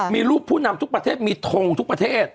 มีรูปผู้นำทุกประเทศมีทงทุกประเทศ